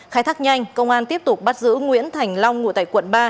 khai thác nhanh công an tiếp tục bắt giữ nguyễn thành long ngụ tại quận ba